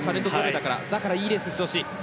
だからいいレースをしてほしい。